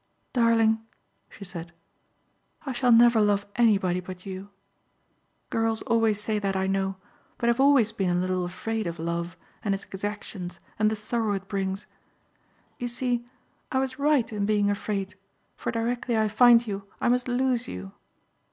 "Darling," she said, "I shall never love anybody but you. Girls always say that, I know, but I have always been a little afraid of love and its exactions and the sorrow it brings. You see I was right in being afraid for directly I find you I must lose you."